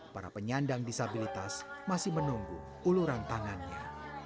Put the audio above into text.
para penyandang disabilitas masih menunggu uluran tangannya